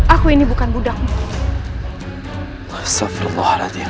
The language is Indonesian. aku ini bukan budakmu